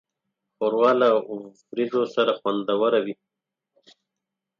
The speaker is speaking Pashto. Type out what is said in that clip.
ښوروا له وریژو سره خوندوره وي.